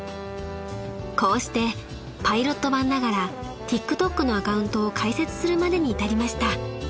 ［こうしてパイロット版ながらＴｉｋＴｏｋのアカウントを開設するまでに至りました］